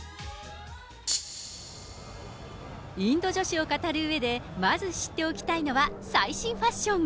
インド女子を語るうえでまず知っておきたいのは、最新ファッション。